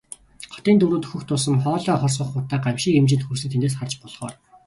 Хотын төв рүү дөхөх тусам хоолой хорсгох утаа гамшгийн хэмжээнд хүрснийг тэндээс харж болохоор.